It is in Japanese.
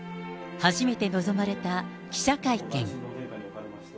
初めて臨まれた記者会見。